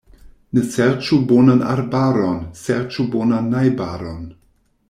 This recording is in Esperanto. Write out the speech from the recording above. Ne serĉu bonan arbaron, serĉu bonan najbaron.